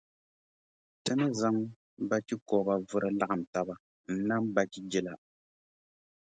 Ti ni zaŋ bachikɔba vuri laɣim taba n-nam bachijila.